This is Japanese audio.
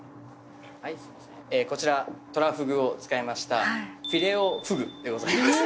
こちらトラフグを使いました「フィレ・オ・ふぐ」でございます。